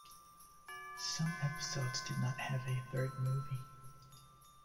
Some episodes did not have a "third" movie.